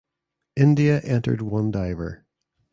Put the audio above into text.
India entered one diver.